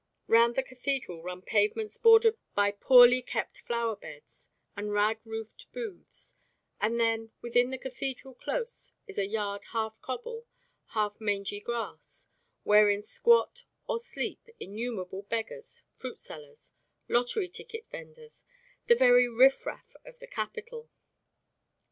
Round the cathedral run pavements bordered by poorly kept flower beds and ragroofed booths, and then within the cathedral close is a yard half cobble, half mangy grass, wherein squat or sleep innumerable beggars, fruit sellers, lottery ticket vendors, the very riff raff of the capital.